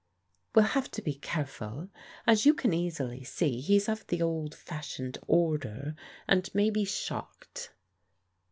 " We'll have to be careful. As you can easily see, he's of the old fashioned order, and may be shocked."